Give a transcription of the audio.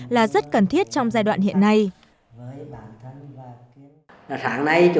là rất cần thiết trong giai đoạn hiện nay